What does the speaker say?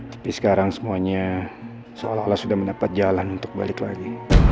tapi sekarang semuanya seolah olah sudah mendapat jalan untuk balik lagi